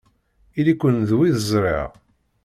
Ili-ken d wid ẓriɣ!